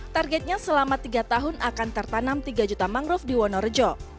targetnya selama tiga tahun akan tertanam tiga juta mangrove di wonorejo